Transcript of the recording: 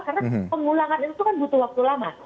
karena pengulangan itu kan butuh waktu lama